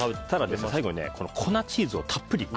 最後に粉チーズをたっぷり。